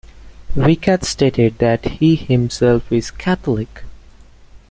Weikath stated that he himself is Catholic.